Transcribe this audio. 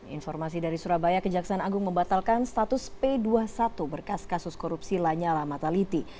informasi dari surabaya kejaksaan agung membatalkan status p dua puluh satu berkas kasus korupsi lanyala mataliti